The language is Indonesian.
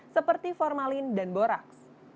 seperti formalin dan borax